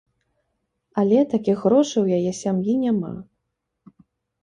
Але такіх грошай у яе сям'і няма.